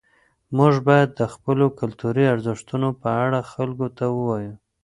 موږ باید د خپلو کلتوري ارزښتونو په اړه خلکو ته ووایو.